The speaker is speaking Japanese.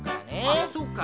あっそうか。